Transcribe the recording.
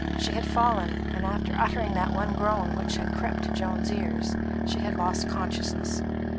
She had fallen, and after uttering that one groan which had crept to Joan's ears, she had lost consciousness.